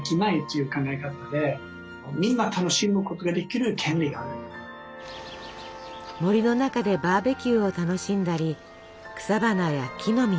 森の中でバーベキューを楽しんだり草花や木の実を集めたり。